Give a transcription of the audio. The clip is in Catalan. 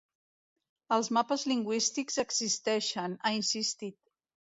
Els mapes lingüístics existeixen, ha insistit.